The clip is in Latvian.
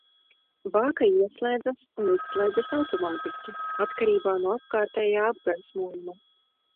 Bāka ieslēdzas un izslēdzas automātiski, atkarībā no apkārtējā apgaismojuma.